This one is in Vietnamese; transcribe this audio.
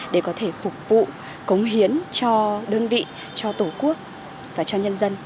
để có thể phục vụ cống hiến cho đơn vị cho tổ quốc và cho nhân dân